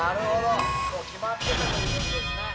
もう決まってたということですね。